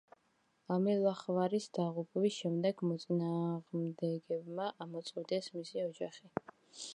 ამილახვარის დაღუპვის შემდეგ მოწინააღმდეგებმა ამოწყვიტეს მისი ოჯახი.